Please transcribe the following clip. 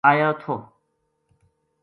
ایو تھو